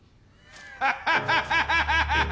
ハハハハハハ！